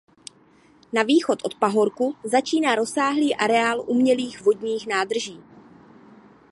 Na východ od pahorku začíná rozsáhlý areál umělých vodních nádrží.